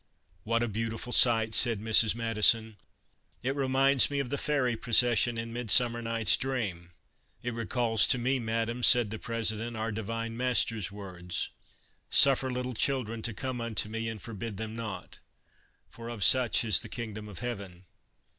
" What a beautiful sight," said Mrs. Madison. " It reminds me of the fairy procession in ' Midsummer Night's Dream.' "" It recalls to me, Madam," said the President, " our Divine Master's words: ' Suffer little children to come unto me and forbid them not, for of such is the Kingdom of Heaven.'